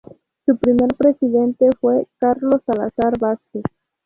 Su primer presidente fue Carlos Salazar Vásquez.